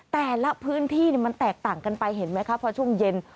แต่ละพื้นที่มันแตกต่างกันไปเห็นไหมคะพอช่วงเย็น